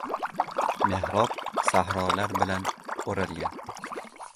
Mehrob sahrolar bilan o‘ralgan.